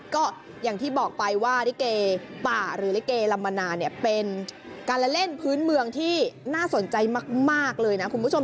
ก็อย่างที่บอกไปว่าลิเกป่าหรือลิเกลำมนาเนี่ยเป็นการละเล่นพื้นเมืองที่น่าสนใจมากเลยนะคุณผู้ชม